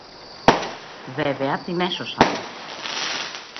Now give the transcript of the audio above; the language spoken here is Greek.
Βέβαια την έσωσαν